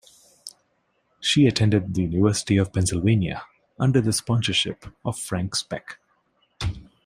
She attended the University of Pennsylvania under the sponsorship of Frank Speck.